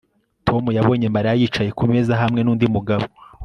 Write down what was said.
Tom yabonye Mariya yicaye kumeza hamwe nundi mugabo